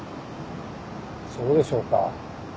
そうでしょうか。